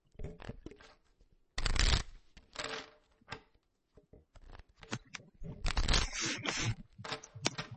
The birds are highly gregarious outside the breeding season.